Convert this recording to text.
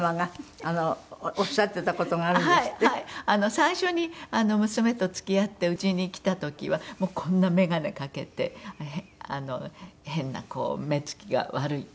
最初に娘と付き合ってうちに来た時はもうこんな眼鏡かけて変なこう「目付きが悪い」って言って。